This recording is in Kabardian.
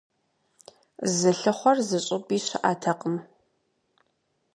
Зылъыхъуэр зыщӀыпӀи щыӀэтэкъым.